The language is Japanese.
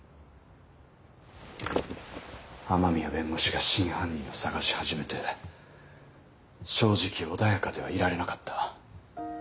雨宮弁護士が真犯人を捜し始めて正直穏やかではいられなかった。